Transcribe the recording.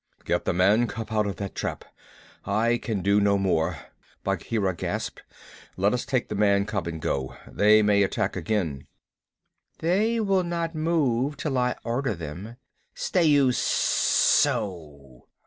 "Get the man cub out of that trap; I can do no more," Bagheera gasped. "Let us take the man cub and go. They may attack again." "They will not move till I order them. Stay you sssso!"